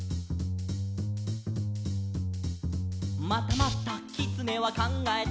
「またまたきつねはかんがえた」